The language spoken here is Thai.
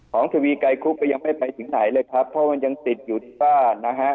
ทวีไกรคุบก็ยังไม่ไปถึงไหนเลยครับเพราะมันยังติดอยู่ที่บ้านนะฮะ